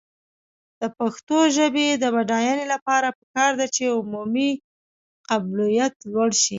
د پښتو ژبې د بډاینې لپاره پکار ده چې عمومي قبولیت لوړ شي.